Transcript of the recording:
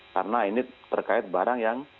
karena ini terkait barang yang